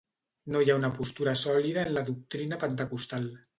No hi ha una postura sòlida en la doctrina pentecostal.